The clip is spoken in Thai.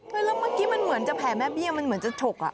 แล้วเมื่อกี้มันเหมือนจะแผลแม่เบี้ยมันเหมือนจะฉก